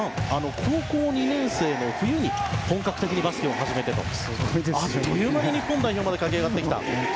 高校２年生の冬に本格的にバスケを始めてあっという間に日本代表に駆け上がってきた。